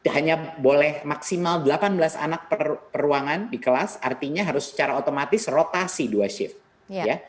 hanya boleh maksimal delapan belas anak peruangan di kelas artinya harus secara otomatis rotasi dua shift ya